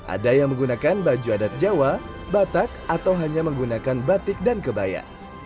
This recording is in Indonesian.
ada yang menggunakan baju adat jawa batak atau hanya menggunakan batik dan kebaya